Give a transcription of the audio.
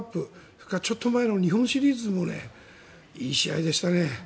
それからちょっと前の日本シリーズもいい試合でしたね。